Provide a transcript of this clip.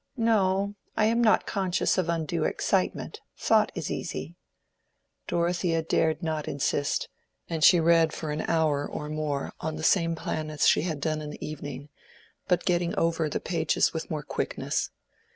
"No, I am not conscious of undue excitement. Thought is easy." Dorothea dared not insist, and she read for an hour or more on the same plan as she had done in the evening, but getting over the pages with more quickness.